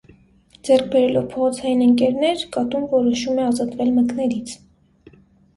Ձեռք բերելով փողոցային ընկերներ՝ կատուն որոշում է ազատվել մկնիկից։